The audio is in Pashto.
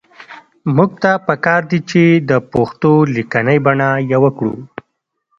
موږ ته پکار دي چې د پښتو لیکنۍ بڼه يوه کړو